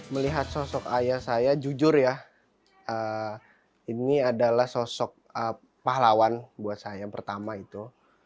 melihat sosok ayah saya jujur ya ini adalah sosok pahlawan buat saya yang pertama itu